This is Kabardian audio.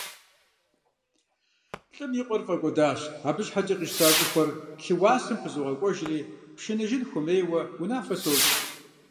Лӏым и къуэр фӀэкӀуэдащ, абы щхьэкӀэ къищта щӀыхуэр лъыуасэм пызогъакӀуэжри, пшыныжын хуемейуэ унафэ сощӏ!